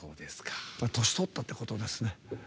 年とったってことですね。